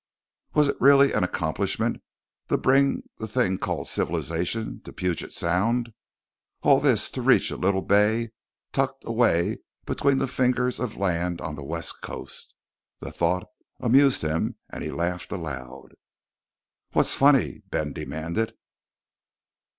Was it really an accomplishment to bring the thing called civilization to Puget Sound? "All this to reach a little bay tucked away between the fingers of land on the West Coast." The thought amused him and he laughed aloud. "What's funny?" Ben demanded.